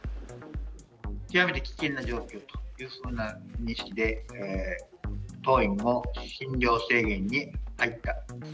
極めて危険な状況と、そんな認識で、当院も診療制限に入った。